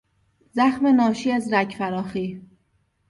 زخم ناشی از رگ فراخی